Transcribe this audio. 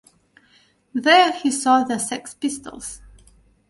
There he saw the Sex Pistols.